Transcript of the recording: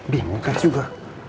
bingung kan juga